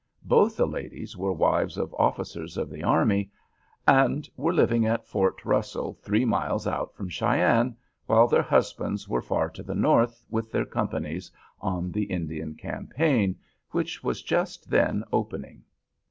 Both the ladies were wives of officers of the army, and were living at Fort Russell, three miles out from Cheyenne, while their husbands were far to the north with their companies on the Indian campaign, which was just then opening.